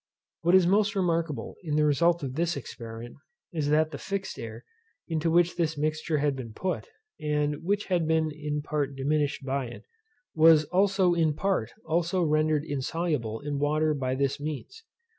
What is most remarkable, in the result of this experiment, is, that the fixed air, into which this mixture had been put, and which had been in part diminished by it, was in part also rendered insoluble in water by this means.